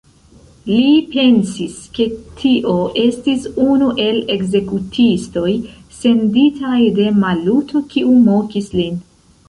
Li pensis, ke tio estis unu el ekzekutistoj, senditaj de Maluto, kiu mokis lin.